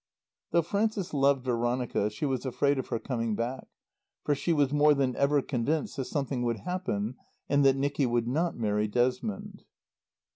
Though Frances loved Veronica she was afraid of her coming back. For she was more than ever convinced that something would happen and that Nicky would not marry Desmond.